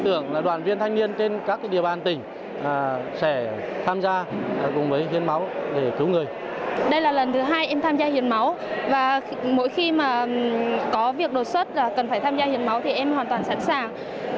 đây là lần thứ hai em tham gia hiến máu và mỗi khi mà có việc đột xuất cần phải tham gia hiến máu thì em hoàn toàn sẵn sàng